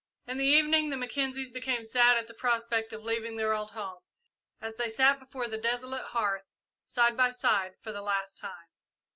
In the evening the Mackenzies became sad at the prospect of leaving their old home, as they sat before the desolate hearth, side by side, for the last time.